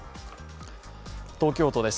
東京都です。